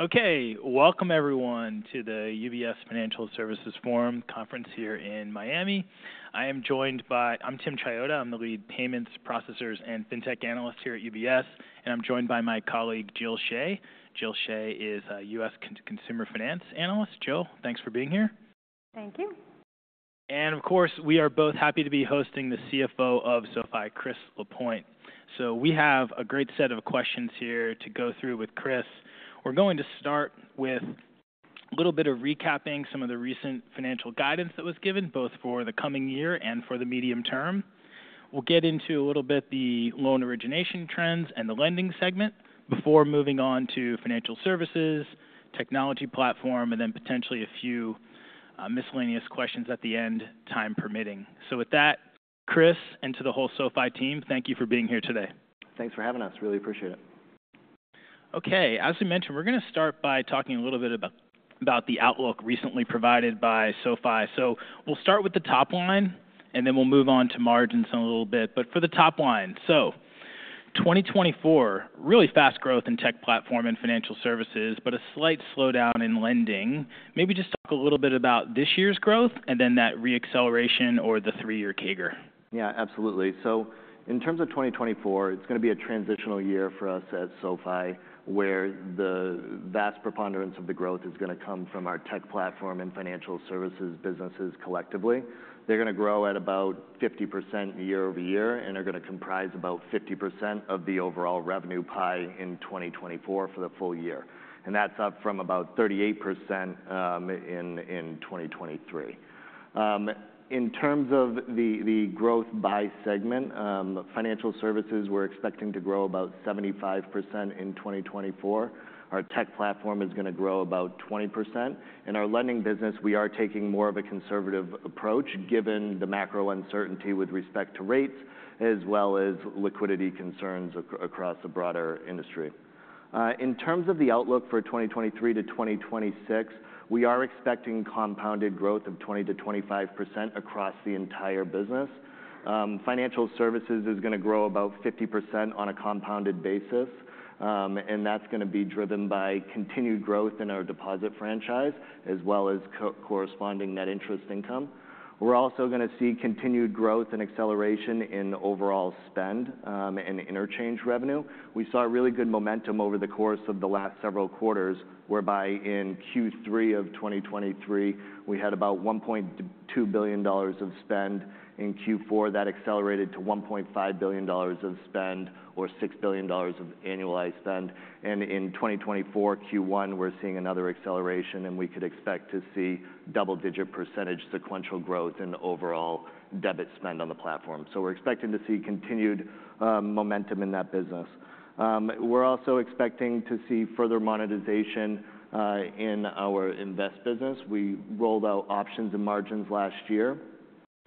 Okay. Welcome, everyone, to the UBS Financial Services Forum conference here in Miami. I am joined by Tim Chiodo. I'm the lead Payments, Processors, and FinTech analyst here at UBS. And I'm joined by my colleague, Jill Shea. Jill Shea is a U.S. consumer finance analyst. Jill, thanks for being here. Thank you. Of course, we are both happy to be hosting the CFO of SoFi, Chris Lapointe. We have a great set of questions here to go through with Chris. We're going to start with a little bit of recapping some of the recent financial guidance that was given, both for the coming year and for the medium term. We'll get into a little bit the loan origination trends and the lending segment before moving on to financial services, technology platform, and then potentially a few miscellaneous questions at the end, time permitting. With that, Chris, and to the whole SoFi team, thank you for being here today. Thanks for having us. Really appreciate it. Okay. As we mentioned, we're going to start by talking a little bit about the outlook recently provided by SoFi. So we'll start with the top line, and then we'll move on to margins in a little bit. But for the top line, so 2024, really fast growth in tech platform and financial services, but a slight slowdown in lending. Maybe just talk a little bit about this year's growth and then that reacceleration or the three-year CAGR. Yeah, absolutely. So in terms of 2024, it's going to be a transitional year for us at SoFi where the vast preponderance of the growth is going to come from our tech platform and financial services businesses collectively. They're going to grow at about 50% year-over-year and are going to comprise about 50% of the overall revenue pie in 2024 for the full year. And that's up from about 38% in 2023. In terms of the growth by segment, financial services, we're expecting to grow about 75% in 2024. Our tech platform is going to grow about 20%. In our lending business, we are taking more of a conservative approach given the macro uncertainty with respect to rates as well as liquidity concerns across the broader industry. In terms of the outlook for 2023 to 2026, we are expecting compounded growth of 20%-25% across the entire business. Financial services is going to grow about 50% on a compounded basis. That's going to be driven by continued growth in our deposit franchise as well as corresponding net interest income. We're also going to see continued growth and acceleration in overall spend and interchange revenue. We saw really good momentum over the course of the last several quarters, whereby in Q3 of 2023, we had about $1.2 billion of spend. In Q4, that accelerated to $1.5 billion of spend or $6 billion of annualized spend. In 2024, Q1, we're seeing another acceleration, and we could expect to see double-digit percentage sequential growth in overall debit spend on the platform. We're expecting to see continued momentum in that business. We're also expecting to see further monetization in our invest business. We rolled out options and margins last year.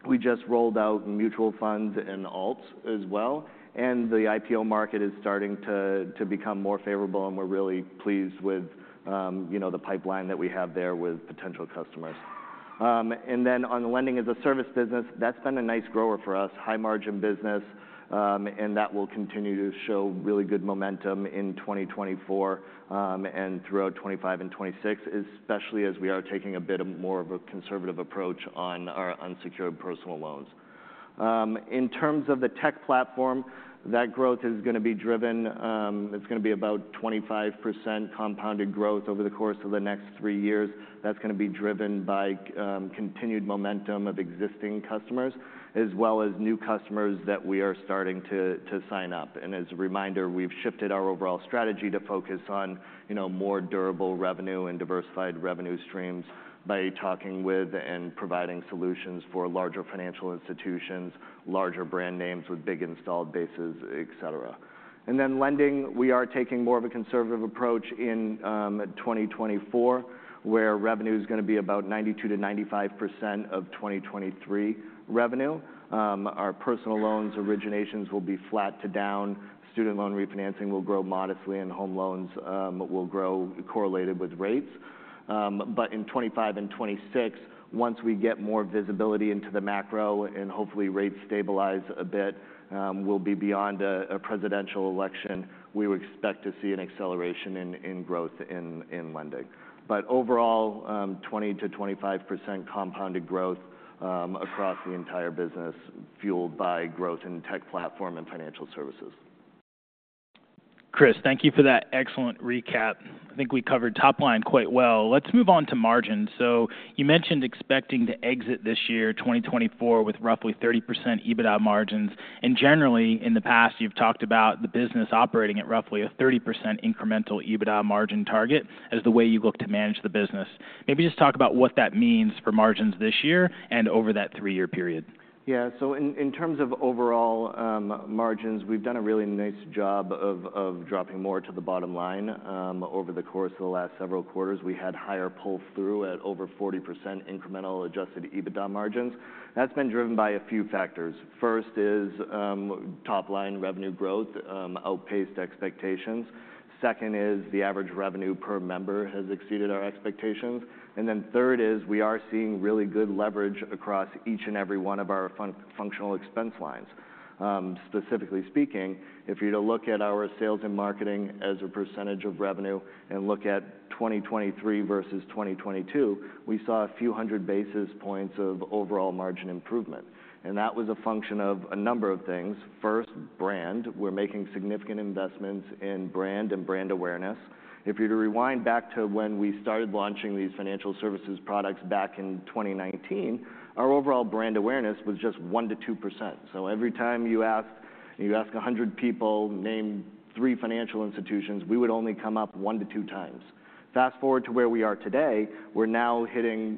We just rolled out mutual funds and alts as well. And the IPO market is starting to become more favorable, and we're really pleased with the pipeline that we have there with potential customers. And then on the lending as a service business, that's been a nice grower for us, high-margin business. And that will continue to show really good momentum in 2024 and throughout 2025 and 2026, especially as we are taking a bit more of a conservative approach on our unsecured personal loans. In terms of the tech platform, that growth is going to be about 25% compounded growth over the course of the next three years. That's going to be driven by continued momentum of existing customers as well as new customers that we are starting to sign up. As a reminder, we've shifted our overall strategy to focus on more durable revenue and diversified revenue streams by talking with and providing solutions for larger financial institutions, larger brand names with big installed bases, et cetera. Then lending, we are taking more of a conservative approach in 2024, where revenue is going to be about 92%-95% of 2023 revenue. Our personal loans originations will be flat to down. Student loan refinancing will grow modestly, and home loans will grow correlated with rates. In 2025 and 2026, once we get more visibility into the macro and hopefully rates stabilize a bit, we'll be beyond a presidential election. We would expect to see an acceleration in growth in lending. Overall, 20%-25% compounded growth across the entire business fueled by growth in tech platform and financial services. Chris, thank you for that excellent recap. I think we covered top line quite well. Let's move on to margins. So you mentioned expecting to exit this year, 2024, with roughly 30% EBITDA margins. And generally, in the past, you've talked about the business operating at roughly a 30% incremental EBITDA margin target as the way you look to manage the business. Maybe just talk about what that means for margins this year and over that 3-year period. Yeah. So in terms of overall margins, we've done a really nice job of dropping more to the bottom line. Over the course of the last several quarters, we had higher pull-through at over 40% incremental adjusted EBITDA margins. That's been driven by a few factors. First is top line revenue growth outpaced expectations. Second is the average revenue per member has exceeded our expectations. And then third is we are seeing really good leverage across each and every one of our functional expense lines. Specifically speaking, if you're to look at our sales and marketing as a percentage of revenue and look at 2023 versus 2022, we saw a few hundred basis points of overall margin improvement. And that was a function of a number of things. First, brand. We're making significant investments in brand and brand awareness. If you're to rewind back to when we started launching these financial services products back in 2019, our overall brand awareness was just 1%-2%. So every time you ask 100 people name three financial institutions, we would only come up 1%-2% times. Fast forward to where we are today, we're now hitting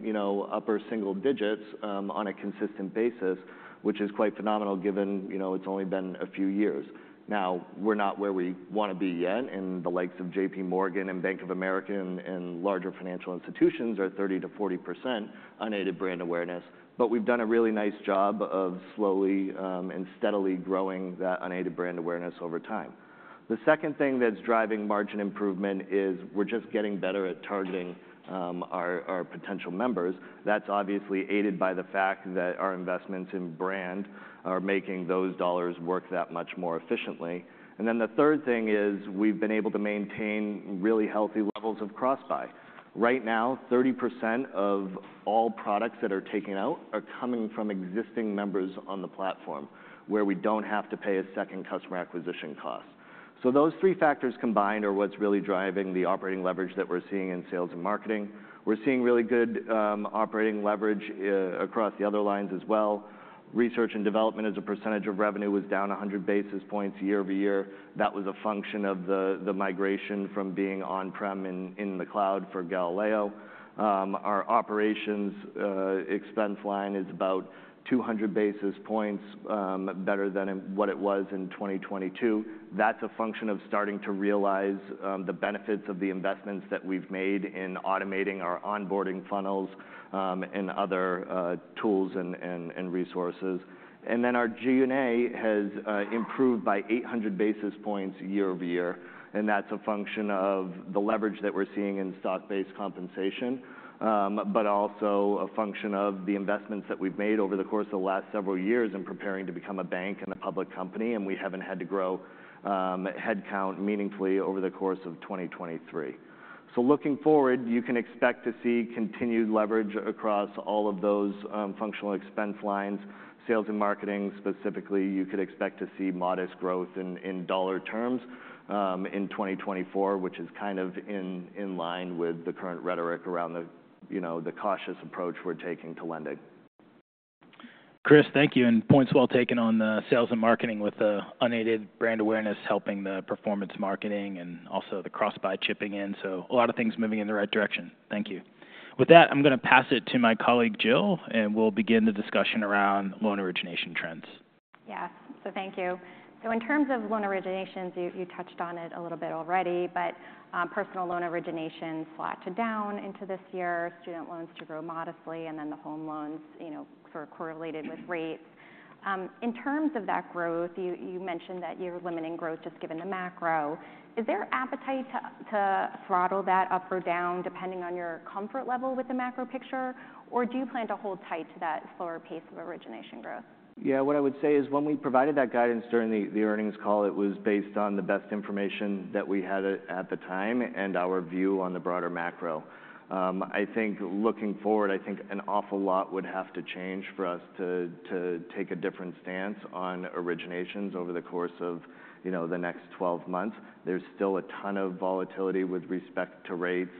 upper single digits on a consistent basis, which is quite phenomenal given it's only been a few years. Now, we're not where we want to be yet. And the likes of JPMorgan and Bank of America and larger financial institutions are 30%-40% unaided brand awareness. But we've done a really nice job of slowly and steadily growing that unaided brand awareness over time. The second thing that's driving margin improvement is we're just getting better at targeting our potential members. That's obviously aided by the fact that our investments in brand are making those dollars work that much more efficiently. And then the third thing is we've been able to maintain really healthy levels of crossbuy. Right now, 30% of all products that are taken out are coming from existing members on the platform, where we don't have to pay a second customer acquisition cost. So those three factors combined are what's really driving the operating leverage that we're seeing in sales and marketing. We're seeing really good operating leverage across the other lines as well. Research and development as a percentage of revenue was down 100 basis points year-over-year. That was a function of the migration from being on-prem in the cloud for Galileo. Our operations expense line is about 200 basis points better than what it was in 2022. That's a function of starting to realize the benefits of the investments that we've made in automating our onboarding funnels and other tools and resources. And then our G&A has improved by 800 basis points year-over-year. And that's a function of the leverage that we're seeing in stock-based compensation, but also a function of the investments that we've made over the course of the last several years in preparing to become a bank and a public company. And we haven't had to grow headcount meaningfully over the course of 2023. So looking forward, you can expect to see continued leverage across all of those functional expense lines. Sales and marketing, specifically, you could expect to see modest growth in dollar terms in 2024, which is kind of in line with the current rhetoric around the cautious approach we're taking to lending. Chris, thank you. Points well taken on the sales and marketing with the unaided brand awareness helping the performance marketing and also the crossbuy chipping in. A lot of things moving in the right direction. Thank you. With that, I'm going to pass it to my colleague, Jill, and we'll begin the discussion around loan origination trends. Yeah. So thank you. So in terms of loan originations, you touched on it a little bit already, but personal loan origination slowed down into this year, student loans to grow modestly, and then the home loans sort of correlated with rates. In terms of that growth, you mentioned that you're limiting growth just given the macro. Is there appetite to throttle that up or down depending on your comfort level with the macro picture, or do you plan to hold tight to that slower pace of origination growth? Yeah. What I would say is when we provided that guidance during the earnings call, it was based on the best information that we had at the time and our view on the broader macro. I think looking forward, I think an awful lot would have to change for us to take a different stance on originations over the course of the next 12 months. There's still a ton of volatility with respect to rates.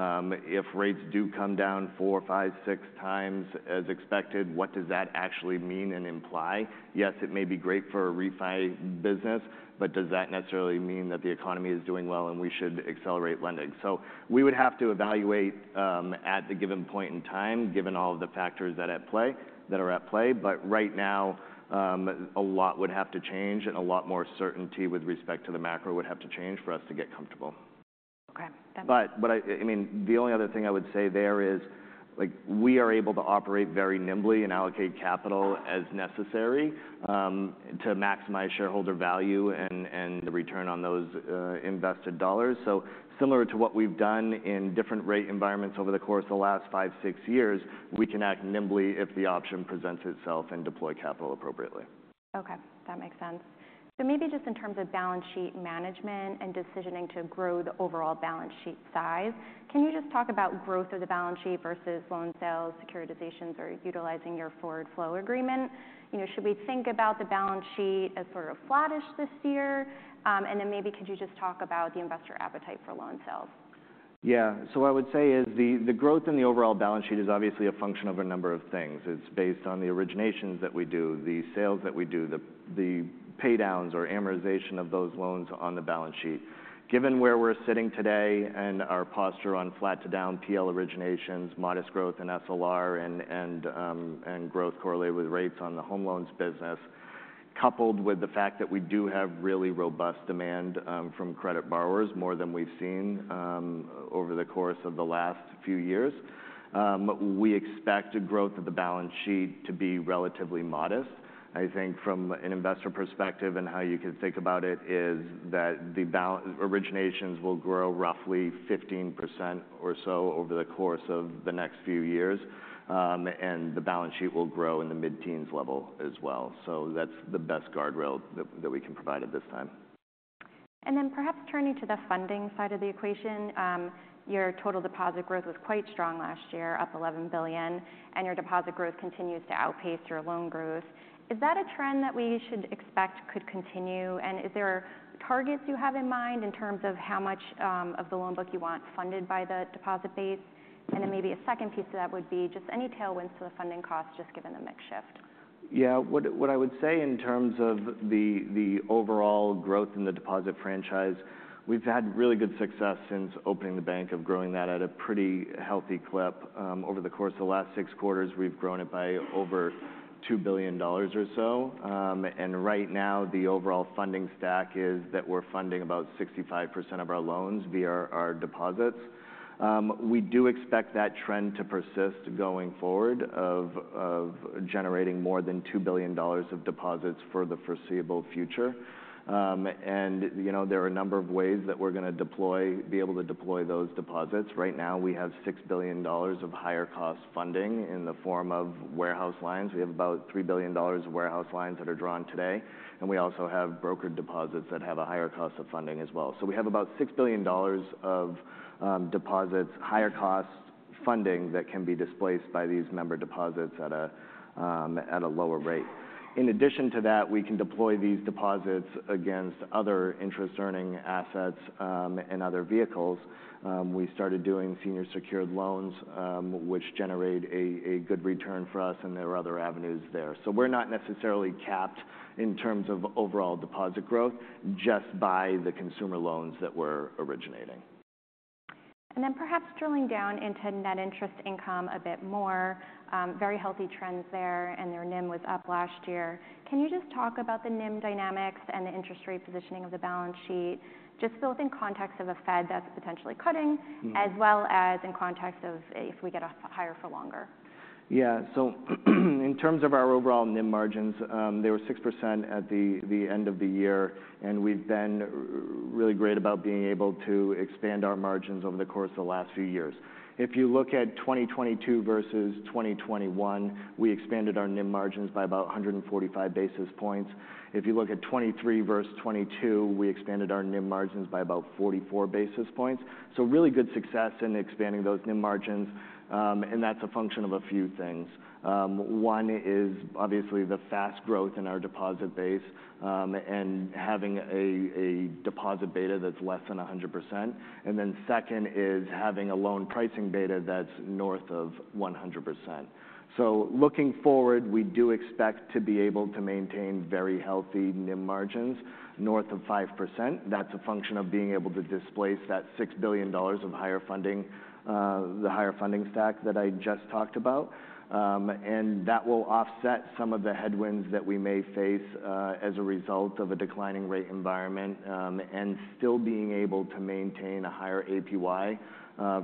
If rates do come down 4-6 times as expected, what does that actually mean and imply? Yes, it may be great for a refi business, but does that necessarily mean that the economy is doing well and we should accelerate lending? So we would have to evaluate at the given point in time, given all of the factors that are at play. But right now, a lot would have to change, and a lot more certainty with respect to the macro would have to change for us to get comfortable. Okay. Thank you. But I mean, the only other thing I would say there is we are able to operate very nimbly and allocate capital as necessary to maximize shareholder value and the return on those invested dollars. So similar to what we've done in different rate environments over the course of the last five, six years, we can act nimbly if the option presents itself and deploy capital appropriately. Okay. That makes sense. So maybe just in terms of balance sheet management and decisioning to grow the overall balance sheet size, can you just talk about growth of the balance sheet versus loan sales, securitizations, or utilizing your forward flow agreement? Should we think about the balance sheet as sort of flattish this year? And then maybe could you just talk about the investor appetite for loan sales? Yeah. So what I would say is the growth in the overall balance sheet is obviously a function of a number of things. It's based on the originations that we do, the sales that we do, the paydowns or amortization of those loans on the balance sheet. Given where we're sitting today and our posture on flat-to-down PL originations, modest growth in SLR, and growth correlated with rates on the home loans business, coupled with the fact that we do have really robust demand from credit borrowers, more than we've seen over the course of the last few years, we expect a growth of the balance sheet to be relatively modest. I think from an investor perspective and how you can think about it is that the originations will grow roughly 15% or so over the course of the next few years, and the balance sheet will grow in the mid-teens level as well. So that's the best guardrail that we can provide at this time. And then perhaps turning to the funding side of the equation, your total deposit growth was quite strong last year, up $11 billion, and your deposit growth continues to outpace your loan growth. Is that a trend that we should expect could continue? Is there targets you have in mind in terms of how much of the loan book you want funded by the deposit base? Then maybe a second piece to that would be just any tailwinds to the funding costs, just given the mix shift. Yeah. What I would say in terms of the overall growth in the deposit franchise, we've had really good success since opening the bank of growing that at a pretty healthy clip. Over the course of the last six quarters, we've grown it by over $2 billion or so. And right now, the overall funding stack is that we're funding about 65% of our loans via our deposits. We do expect that trend to persist going forward of generating more than $2 billion of deposits for the foreseeable future. And there are a number of ways that we're going to be able to deploy those deposits. Right now, we have $6 billion of higher-cost funding in the form of warehouse lines. We have about $3 billion of warehouse lines that are drawn today. And we also have brokered deposits that have a higher cost of funding as well. So we have about $6 billion of deposits, higher-cost funding that can be displaced by these member deposits at a lower rate. In addition to that, we can deploy these deposits against other interest-earning assets and other vehicles. We started doing senior secured loans, which generate a good return for us, and there are other avenues there. So we're not necessarily capped in terms of overall deposit growth just by the consumer loans that we're originating. Then perhaps drilling down into net interest income a bit more, very healthy trends there, and their NIM was up last year. Can you just talk about the NIM dynamics and the interest rate positioning of the balance sheet, just both in context of a Fed that's potentially cutting as well as in context of if we get higher for longer? Yeah. So in terms of our overall NIM margins, they were 6% at the end of the year. And we've been really great about being able to expand our margins over the course of the last few years. If you look at 2022 versus 2021, we expanded our NIM margins by about 145 basis points. If you look at 2023 versus 2022, we expanded our NIM margins by about 44 basis points. So really good success in expanding those NIM margins. And that's a function of a few things. One is obviously the fast growth in our deposit base and having a deposit beta that's less than 100%. And then second is having a loan pricing beta that's north of 100%. So looking forward, we do expect to be able to maintain very healthy NIM margins north of 5%. That's a function of being able to displace that $6 billion of higher funding, the higher funding stack that I just talked about. And that will offset some of the headwinds that we may face as a result of a declining rate environment and still being able to maintain a higher APY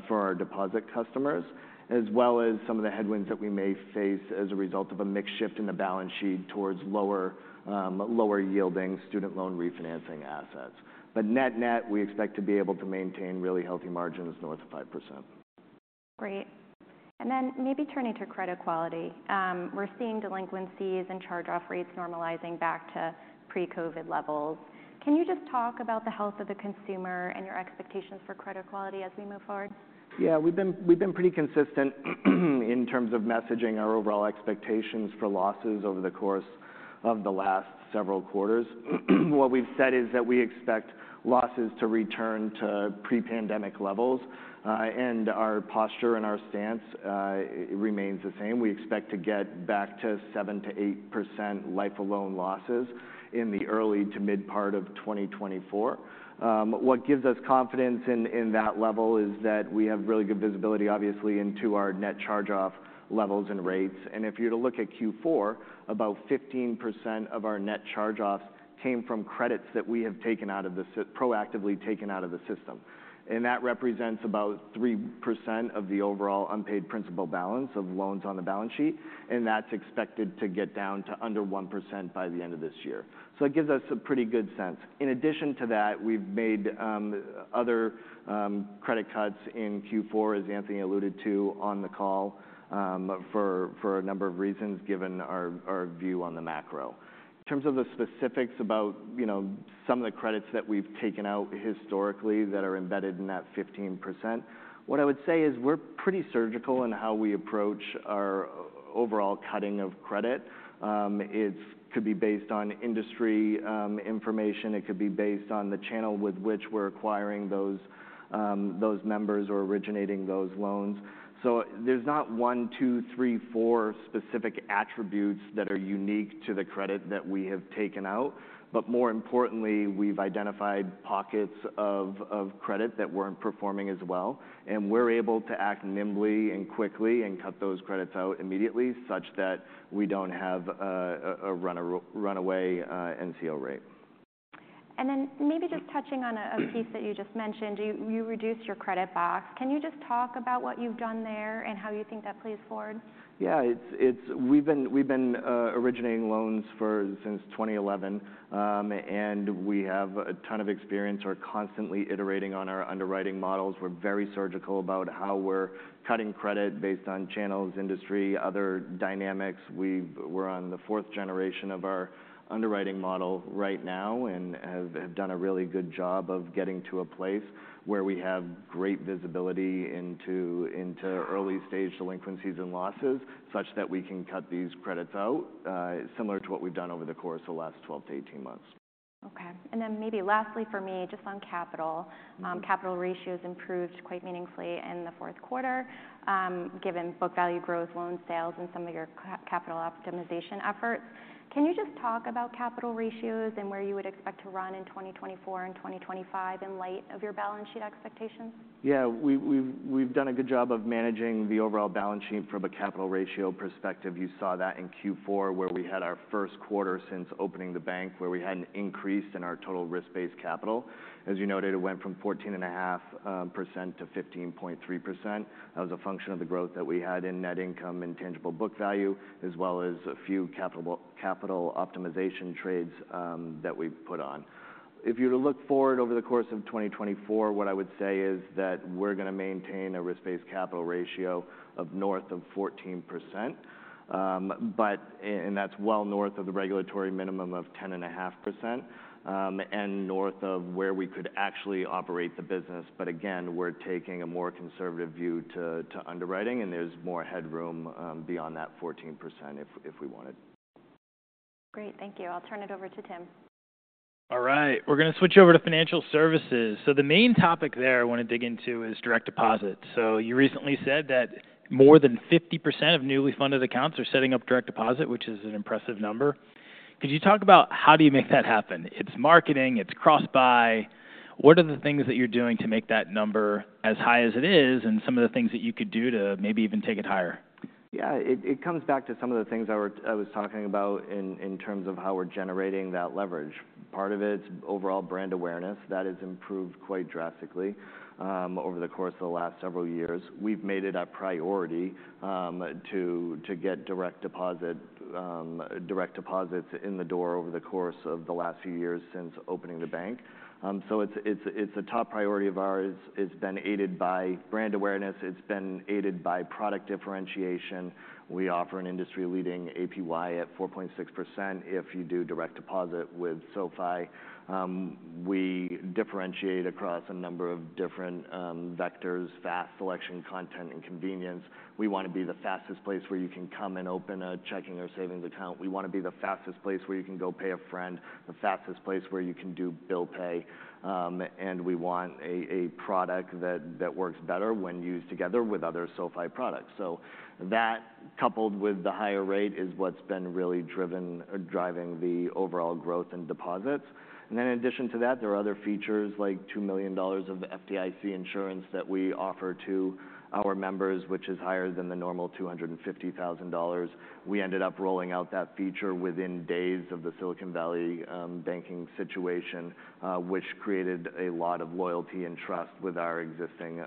for our deposit customers as well as some of the headwinds that we may face as a result of a mixed shift in the balance sheet towards lower-yielding student loan refinancing assets. But net-net, we expect to be able to maintain really healthy margins north of 5%. Great. And then maybe turning to credit quality. We're seeing delinquencies and charge-off rates normalizing back to pre-COVID levels. Can you just talk about the health of the consumer and your expectations for credit quality as we move forward? Yeah. We've been pretty consistent in terms of messaging our overall expectations for losses over the course of the last several quarters. What we've said is that we expect losses to return to pre-pandemic levels. And our posture and our stance remains the same. We expect to get back to 7%-8% life of loan losses in the early to mid-part of 2024. What gives us confidence in that level is that we have really good visibility, obviously, into our net charge-off levels and rates. And if you were to look at Q4, about 15% of our net charge-offs came from credits that we have proactively taken out of the system. And that represents about 3% of the overall unpaid principal balance of loans on the balance sheet. And that's expected to get down to under 1% by the end of this year. So that gives us a pretty good sense. In addition to that, we've made other credit cuts in Q4, as Anthony alluded to on the call, for a number of reasons given our view on the macro. In terms of the specifics about some of the credits that we've taken out historically that are embedded in that 15%, what I would say is we're pretty surgical in how we approach our overall cutting of credit. It could be based on industry information. It could be based on the channel with which we're acquiring those members or originating those loans. So there's not one, two, three, four specific attributes that are unique to the credit that we have taken out. But more importantly, we've identified pockets of credit that weren't performing as well. We're able to act nimbly and quickly and cut those credits out immediately such that we don't have a runaway NCO rate. And then maybe just touching on a piece that you just mentioned, you reduce your credit box. Can you just talk about what you've done there and how you think that plays forward? Yeah. We've been originating loans since 2011. We have a ton of experience. We're constantly iterating on our underwriting models. We're very surgical about how we're cutting credit based on channels, industry, other dynamics. We're on the fourth generation of our underwriting model right now and have done a really good job of getting to a place where we have great visibility into early-stage delinquencies and losses such that we can cut these credits out, similar to what we've done over the course of the last 12-18 months. Okay. And then maybe lastly for me, just on capital, capital ratios improved quite meaningfully in the Q4 given book value growth, loan sales, and some of your capital optimization efforts. Can you just talk about capital ratios and where you would expect to run in 2024 and 2025 in light of your balance sheet expectations? Yeah. We've done a good job of managing the overall balance sheet from a capital ratio perspective. You saw that in Q4 where we had our Q1 since opening the bank where we had an increase in our total risk-based capital. As you noted, it went from 14.5%-15.3%. That was a function of the growth that we had in net income and tangible book value as well as a few capital optimization trades that we put on. If you were to look forward over the course of 2024, what I would say is that we're going to maintain a risk-based capital ratio north of 14%. And that's well north of the regulatory minimum of 10.5% and north of where we could actually operate the business. But again, we're taking a more conservative view to underwriting. And there's more headroom beyond that 14% if we wanted. Great. Thank you. I'll turn it over to Tim. All right. We're going to switch over to financial services. So the main topic there I want to dig into is Direct Deposit. So you recently said that more than 50% of newly funded accounts are setting up Direct Deposit, which is an impressive number. Could you talk about how do you make that happen? It's marketing. It's cross-buy. What are the things that you're doing to make that number as high as it is and some of the things that you could do to maybe even take it higher? Yeah. It comes back to some of the things I was talking about in terms of how we're generating that leverage. Part of it's overall brand awareness that has improved quite drastically over the course of the last several years. We've made it a priority to get direct deposits in the door over the course of the last few years since opening the bank. So it's a top priority of ours. It's been aided by brand awareness. It's been aided by product differentiation. We offer an industry-leading APY at 4.6% if you do direct deposit with SoFi. We differentiate across a number of different vectors, fast selection content, and convenience. We want to be the fastest place where you can come and open a checking or savings account. We want to be the fastest place where you can go pay a friend, the fastest place where you can do bill pay. We want a product that works better when used together with other SoFi products. So that, coupled with the higher rate, is what's been really driving the overall growth in deposits. Then in addition to that, there are other features like $2 million of FDIC insurance that we offer to our members, which is higher than the normal $250,000. We ended up rolling out that feature within days of the Silicon Valley banking situation, which created a lot of loyalty and trust with our existing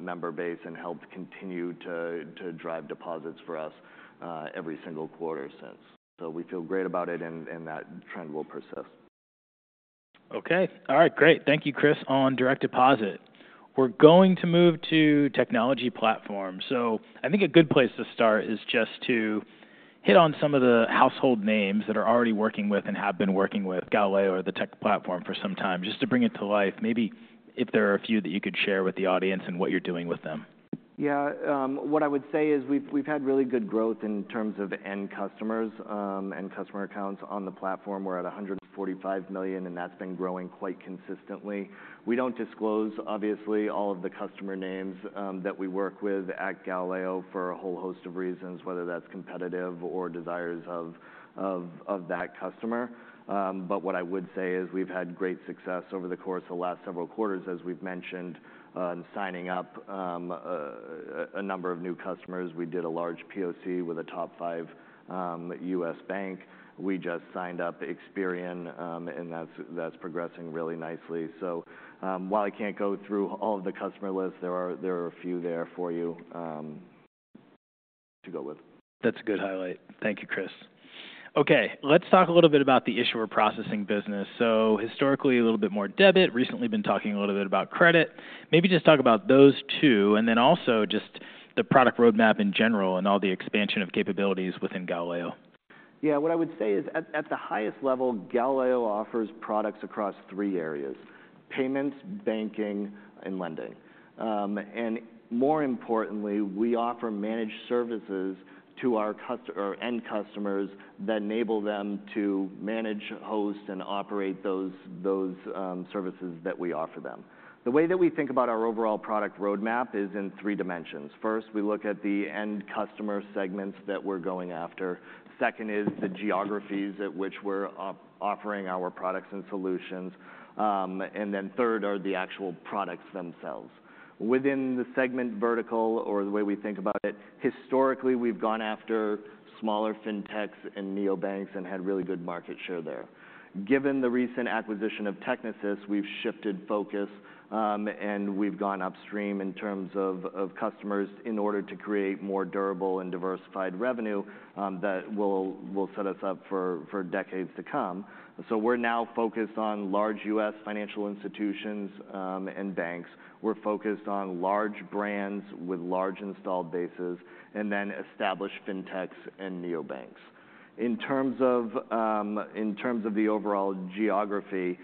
member base and helped continue to drive deposits for us every single quarter since. We feel great about it. That trend will persist. Okay. All right. Great. Thank you, Chris, on direct deposit. We're going to move to technology platforms. I think a good place to start is just to hit on some of the household names that are already working with and have been working with Galileo or the tech platform for some time just to bring it to life, maybe if there are a few that you could share with the audience and what you're doing with them. Yeah. What I would say is we've had really good growth in terms of end customers, end customer accounts on the platform. We're at 145 million. That's been growing quite consistently. We don't disclose, obviously, all of the customer names that we work with at Galileo for a whole host of reasons, whether that's competitive or desires of that customer. But what I would say is we've had great success over the course of the last several quarters, as we've mentioned, signing up a number of new customers. We did a large POC with a top five U.S. bank. We just signed up Experian. And that's progressing really nicely. So while I can't go through all of the customer lists, there are a few there for you to go with. That's a good highlight. Thank you, Chris. Okay. Let's talk a little bit about the issuer processing business. So historically, a little bit more debit. Recently, been talking a little bit about credit. Maybe just talk about those two and then also just the product roadmap in general and all the expansion of capabilities within Galileo. Yeah. What I would say is at the highest level, Galileo offers products across three areas: payments, banking, and lending. And more importantly, we offer managed services to our end customers that enable them to manage, host, and operate those services that we offer them. The way that we think about our overall product roadmap is in three dimensions. First, we look at the end customer segments that we're going after. Second is the geographies at which we're offering our products and solutions. And then third are the actual products themselves. Within the segment vertical or the way we think about it, historically, we've gone after smaller fintechs and neobanks and had really good market share there. Given the recent acquisition of Technisys, we've shifted focus. We've gone upstream in terms of customers in order to create more durable and diversified revenue that will set us up for decades to come. We're now focused on large U.S. financial institutions and banks. We're focused on large brands with large installed bases and then established fintechs and neobanks. In terms of the overall geography,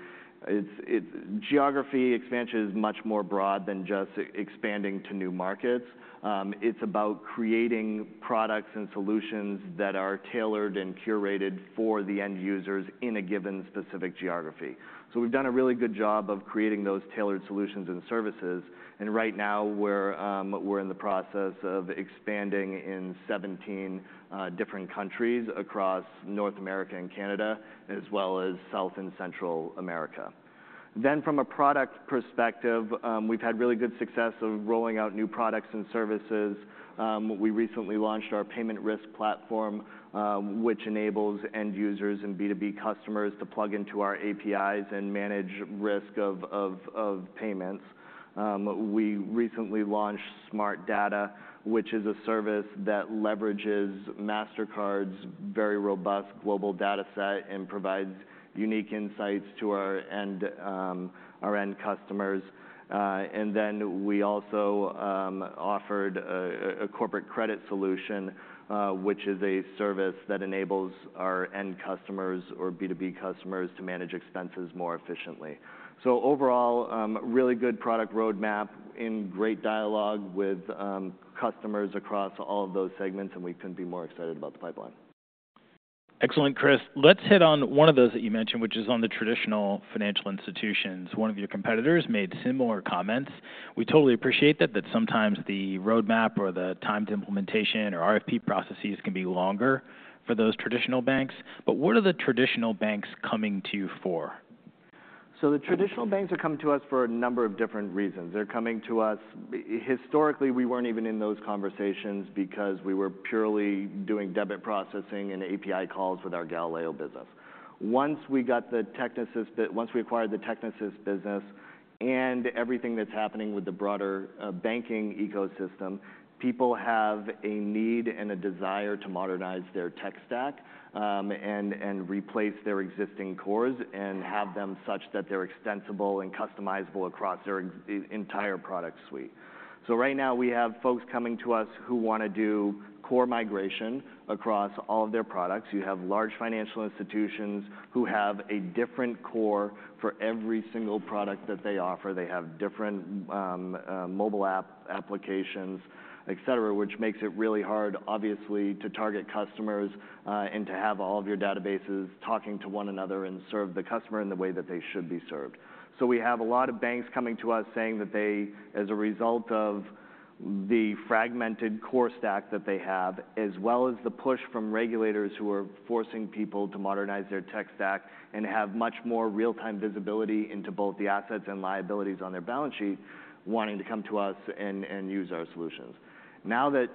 geography expansion is much more broad than just expanding to new markets. It's about creating products and solutions that are tailored and curated for the end users in a given specific geography. We've done a really good job of creating those tailored solutions and services. Right now, we're in the process of expanding in 17 different countries across North America and Canada as well as South and Central America. From a product perspective, we've had really good success of rolling out new products and services. We recently launched our payment risk platform, which enables end users and B2B customers to plug into our APIs and manage risk of payments. We recently launched Smart Data, which is a service that leverages Mastercard's very robust global data set and provides unique insights to our end customers. And then we also offered a corporate credit solution, which is a service that enables our end customers or B2B customers to manage expenses more efficiently. So overall, really good product roadmap in great dialogue with customers across all of those segments. And we couldn't be more excited about the pipeline. Excellent, Chris. Let's hit on one of those that you mentioned, which is on the traditional financial institutions. One of your competitors made similar comments. We totally appreciate that, that sometimes the roadmap or the timed implementation or RFP processes can be longer for those traditional banks. But what are the traditional banks coming to you for? So the traditional banks are coming to us for a number of different reasons. They're coming to us. Historically, we weren't even in those conversations because we were purely doing debit processing and API calls with our Galileo business. Once we got the Technisys once we acquired the Technisys business and everything that's happening with the broader banking ecosystem, people have a need and a desire to modernize their tech stack and replace their existing cores and have them such that they're extensible and customizable across their entire product suite. So right now, we have folks coming to us who want to do core migration across all of their products. You have large financial institutions who have a different core for every single product that they offer. They have different mobile app applications, et cetera, which makes it really hard, obviously, to target customers and to have all of your databases talking to one another and serve the customer in the way that they should be served. So we have a lot of banks coming to us saying that they, as a result of the fragmented core stack that they have as well as the push from regulators who are forcing people to modernize their tech stack and have much more real-time visibility into both the assets and liabilities on their balance sheet, wanting to come to us and use our solutions. Now that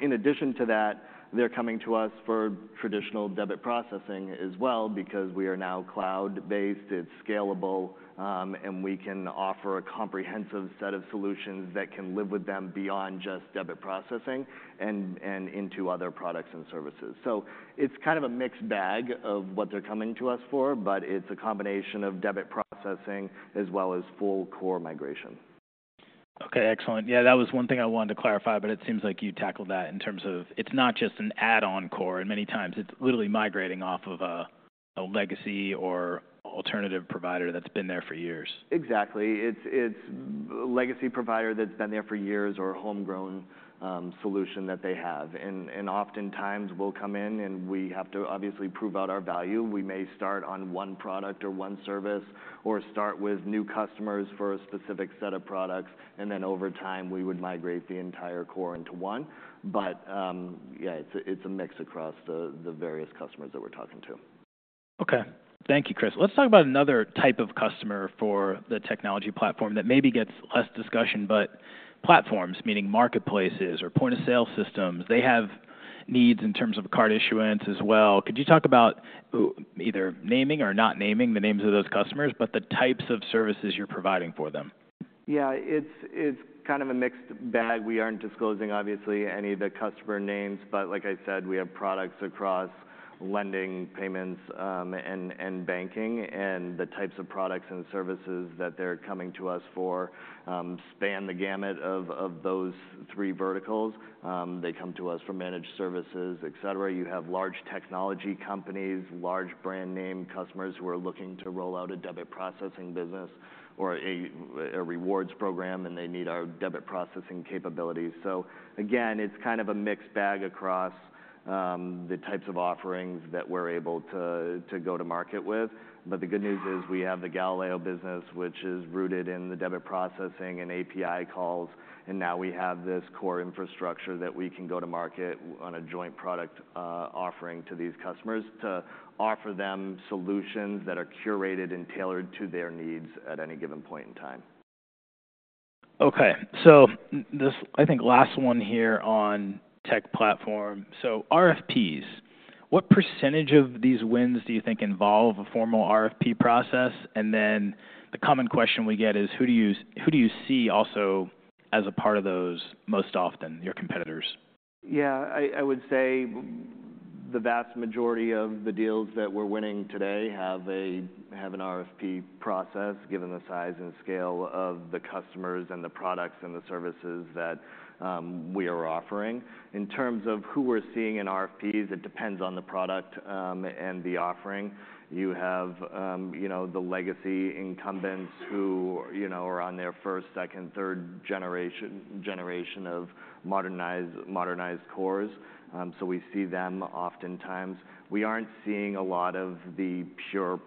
in addition to that, they're coming to us for traditional debit processing as well because we are now cloud-based. It's scalable. We can offer a comprehensive set of solutions that can live with them beyond just debit processing and into other products and services. So it's kind of a mixed bag of what they're coming to us for. But it's a combination of debit processing as well as full core migration. Okay. Excellent. Yeah. That was one thing I wanted to clarify. But it seems like you tackled that in terms of it's not just an add-on core. And many times, it's literally migrating off of a legacy or alternative provider that's been there for years. Exactly. It's a legacy provider that's been there for years or a homegrown solution that they have. Oftentimes, we'll come in. We have to obviously prove out our value. We may start on one product or one service or start with new customers for a specific set of products. Then over time, we would migrate the entire core into one. Yeah, it's a mix across the various customers that we're talking to. Okay. Thank you, Chris. Let's talk about another type of customer for the technology platform that maybe gets less discussion. But platforms, meaning marketplaces or point-of-sale systems, they have needs in terms of card issuance as well. Could you talk about either naming or not naming the names of those customers but the types of services you're providing for them? Yeah. It's kind of a mixed bag. We aren't disclosing, obviously, any of the customer names. But like I said, we have products across lending, payments, and banking. And the types of products and services that they're coming to us for span the gamut of those three verticals. They come to us for managed services, et cetera. You have large technology companies, large brand name customers who are looking to roll out a debit processing business or a rewards program. And they need our debit processing capabilities. So again, it's kind of a mixed bag across the types of offerings that we're able to go to market with. But the good news is we have the Galileo business, which is rooted in the debit processing and API calls. Now we have this core infrastructure that we can go to market on a joint product offering to these customers to offer them solutions that are curated and tailored to their needs at any given point in time. Okay. So this, I think, last one here on tech platform, so RFPs. What percentage of these wins do you think involve a formal RFP process? And then the common question we get is, who do you see also as a part of those most often, your competitors? Yeah. I would say the vast majority of the deals that we're winning today have an RFP process given the size and scale of the customers and the products and the services that we are offering. In terms of who we're seeing in RFPs, it depends on the product and the offering. You have the legacy incumbents who are on their first, second, third generation of modernized cores. So we see them oftentimes. We aren't seeing a lot of the pure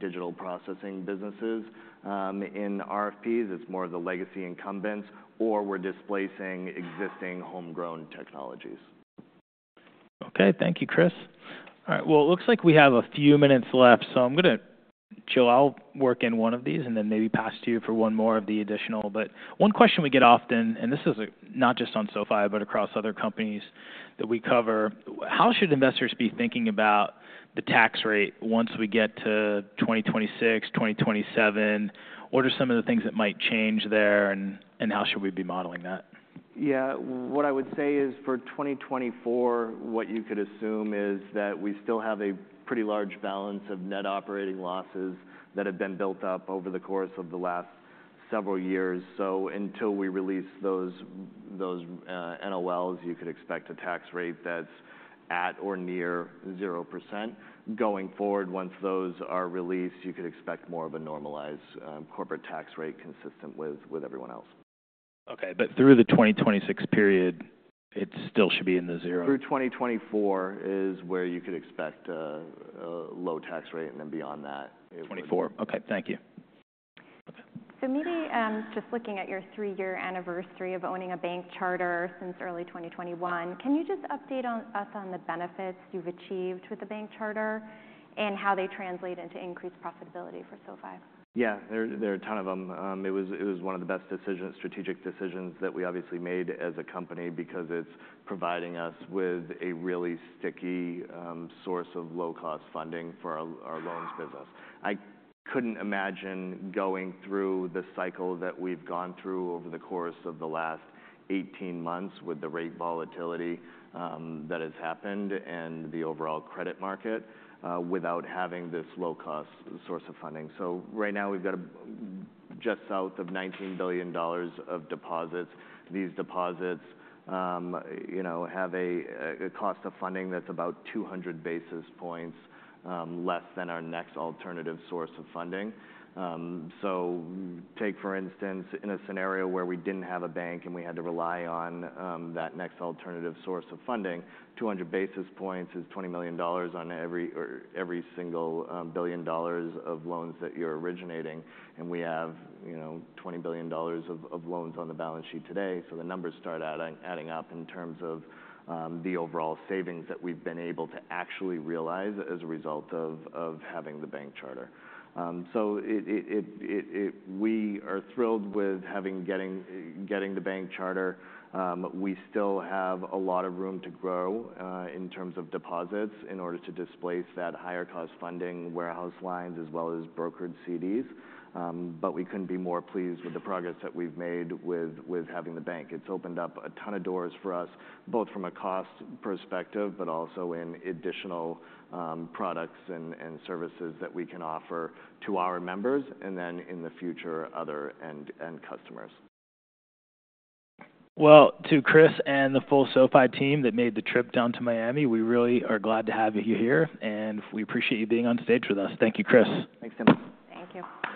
digital processing businesses in RFPs. It's more of the legacy incumbents. Or we're displacing existing homegrown technologies. Okay. Thank you, Chris. All right. Well, it looks like we have a few minutes left. So I'm going to chill. I'll work in one of these and then maybe pass to you for one more of the additional. But one question we get often, and this is not just on SoFi but across other companies that we cover, how should investors be thinking about the tax rate once we get to 2026, 2027? What are some of the things that might change there? And how should we be modeling that? Yeah. What I would say is for 2024, what you could assume is that we still have a pretty large balance of net operating losses that have been built up over the course of the last several years. So until we release those NOLs, you could expect a tax rate that's at or near 0%. Going forward, once those are released, you could expect more of a normalized corporate tax rate consistent with everyone else. Okay. But through the 2026 period, it still should be in the zero? Through 2024 is where you could expect a low tax rate. And then beyond that, it would be. 2024. Okay. Thank you. Okay. So maybe just looking at your three-year anniversary of owning a bank charter since early 2021, can you just update us on the benefits you've achieved with the bank charter and how they translate into increased profitability for SoFi? Yeah. There are a ton of them. It was one of the best strategic decisions that we obviously made as a company because it's providing us with a really sticky source of low-cost funding for our loans business. I couldn't imagine going through the cycle that we've gone through over the course of the last 18 months with the rate volatility that has happened and the overall credit market without having this low-cost source of funding. So right now, we've got just south of $19 billion of deposits. These deposits have a cost of funding that's about 200 basis points less than our next alternative source of funding. So take, for instance, in a scenario where we didn't have a bank and we had to rely on that next alternative source of funding, 200 basis points is $20 million on every single billion dollars of loans that you're originating. We have $20 billion of loans on the balance sheet today. The numbers start adding up in terms of the overall savings that we've been able to actually realize as a result of having the bank charter. We are thrilled with getting the bank charter. We still have a lot of room to grow in terms of deposits in order to displace that higher-cost funding warehouse lines as well as brokered CDs. But we couldn't be more pleased with the progress that we've made with having the bank. It's opened up a ton of doors for us both from a cost perspective but also in additional products and services that we can offer to our members and then in the future, other end customers. Well, to Chris and the full SoFi team that made the trip down to Miami, we really are glad to have you here. We appreciate you being on stage with us. Thank you, Chris. Thanks, Timothy. Thank you.